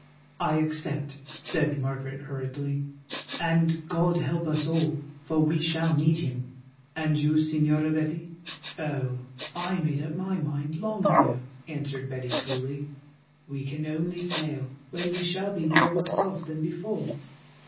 "I accept," said Margaret hurriedly, "and God help us all, for we shall need Him." "And you, Señora Betty?" "Oh! I made up my mind long ago," answered Betty coolly. "We can only fail, when we shall be no worse off than before."